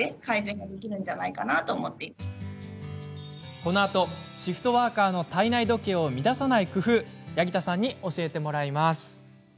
このあと、シフトワーカーの体内時計を乱さない工夫八木田さんに教えてもらいます。